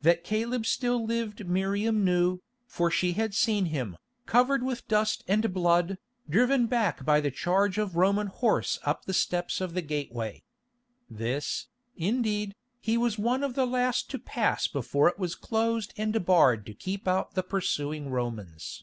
That Caleb still lived Miriam knew, for she had seen him, covered with dust and blood, driven back by the charge of Roman horse up the steps of the gateway. This, indeed, he was one of the last to pass before it was closed and barred to keep out the pursuing Romans.